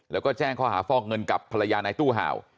แล้วก็แจ้งข้อหาฟอกเงินกับภรรยานายตู้ห่าว